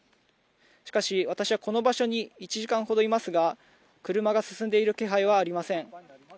しかし、私はこの場所に１時間ほどいますが車が進んでいる気配はありません。